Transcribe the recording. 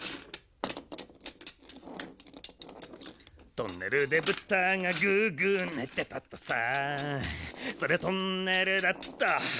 トンネルでぶたがグーグーねてたとさそりゃトンネルだっと。